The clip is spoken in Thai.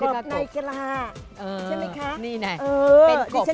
กบในกระฬาใช่ไหมคะ